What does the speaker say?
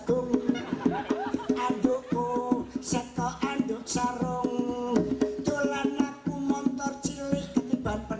adukku seto aduk sarung